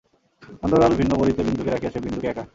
নন্দলাল ভিন্ন বড়িতে বিন্দুকে রাখিয়াছে, বিন্দুকে একা।